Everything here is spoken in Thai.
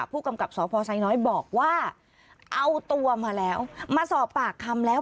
ผู้กำกับสพไซน้อยบอกว่าเอาตัวมาแล้วมาสอบปากคำแล้ว